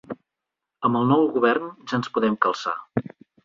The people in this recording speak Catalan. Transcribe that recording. Amb el nou govern ja ens podem calçar.